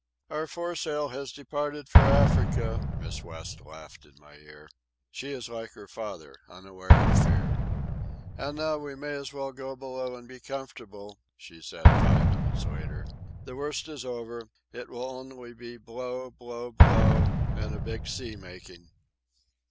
"Our foresail has departed for Africa," Miss West laughed in my ear. She is like her father, unaware of fear. "And now we may as well go below and be comfortable," she said five minutes later. "The worst is over. It will only be blow, blow, blow, and a big sea making."